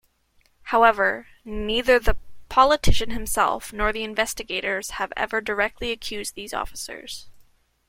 However, neither the politician himself nor the investigators have ever directly accused these officers.